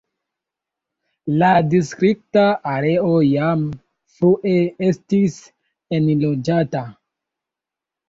La distrikta areo jam frue estis enloĝata.